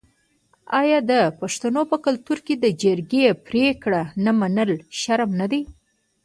آیا د پښتنو په کلتور کې د جرګې پریکړه نه منل شرم نه دی؟